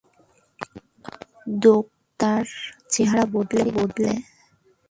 কদক, তার চেহারা বদলে গেছে।